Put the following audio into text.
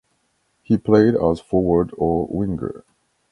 He played as forward or winger.